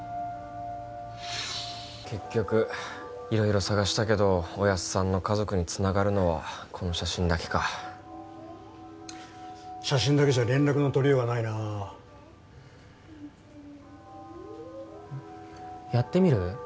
結局色々探したけどおやっさんの家族につながるのはこの写真だけか写真だけじゃ連絡の取りようがないなやってみる？